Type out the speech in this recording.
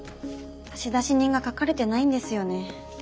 差出人が書かれてないんですよね。